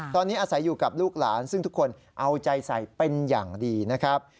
ตอนนี้อาศัยอยู่กับลูกหลานซึ่งทุกคนเอาใจใส่เป็นอย่างดีนะครับ